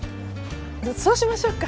そうしましょうか。